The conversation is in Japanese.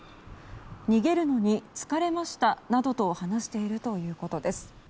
逃げるのに疲れましたなどと話しているということです。